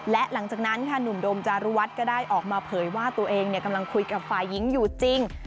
และหลังจากนั้นค่ะหนุ่มโดมจารุวัฒน์ก็ได้ออกมาเผยว่าตัวเองกำลังคุยกับฝ่ายหญิงอยู่จริง